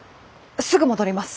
すぐ戻ります！